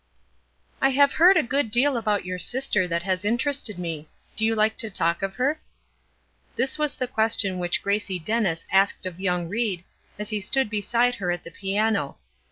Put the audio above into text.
"I have heard a good deal about your sister that has interested me. Do you like to talk of her?" This was the question which Gracie Dennis asked of young Ried as he stood beside her at the piano.